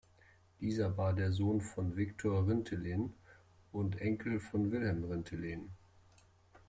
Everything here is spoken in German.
Dieser war der Sohn von Viktor Rintelen und Enkel von Wilhelm Rintelen.